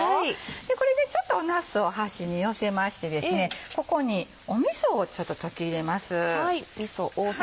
これちょっとなすを端に寄せましてここにみそを溶き入れます。